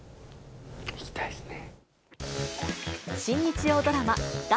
行きたいですね。